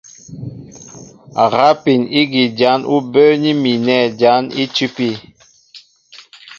Rápin ígí jǎn ú bə́ə́ní mi nɛ̂ jǎn í tʉ́pí.